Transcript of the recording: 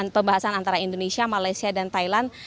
pembahasan antara indonesia malaysia dan thailand